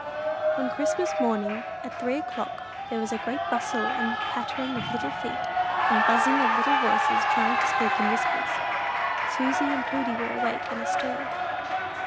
On Christmas morning, at three o'clock, there was a great bustle and pattering of little feet, and buzzing of little voices trying to speak in whispers. Susy and Prudy were awake and astir.